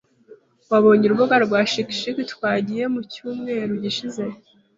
Wabonye urubuga rwa ski ski twagiye mucyumweru gishize?